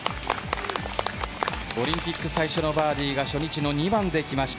オリンピック最初のバーディーが初日の２番で来ました。